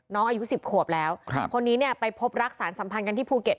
น้องอายุสิบขวบแล้วครับคนนี้เนี่ยไปพบรักษาสัมพันธ์กันที่ภูเก็ต